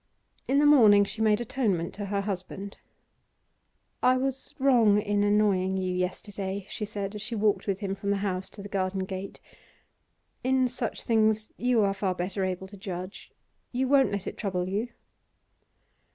In the morning she made atonement to her husband. 'I was wrong in annoying you yesterday,' she said as she walked with him from the house to the garden gate. 'In such things you are far better able to judge. You won't let it trouble you?